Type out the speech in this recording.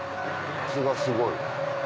風がすごい。